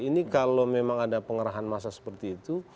ini kalau memang ada pengerahan masa seperti itu